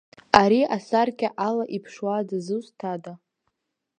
Ари асаркьа ала иԥшуа дызусҭада?